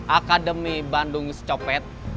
akademis bandung copet